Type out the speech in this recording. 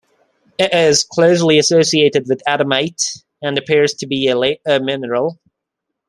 It is closely associated with adamite, and appears to be a later mineral.